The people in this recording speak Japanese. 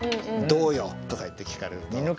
「どうよ！」とか言って聞かれると。